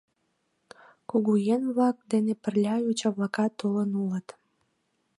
Кугу еҥ-влак дене пырля йоча-влакат толын улыт.